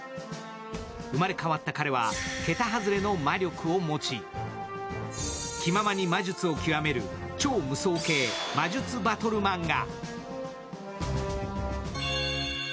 生まれ変わった彼は桁外れの魔力を持ち気ままに魔術を極める超無双系・魔術バトルマンガ。